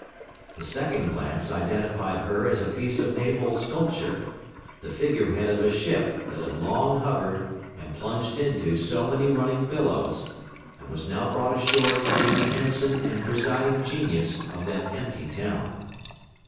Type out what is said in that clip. The second glance identified her as a piece of naval sculpture, the figure head of a ship that had long hovered and plunged into so many running billows, and was now brought ashore to be the ensign and presiding genius of that empty town.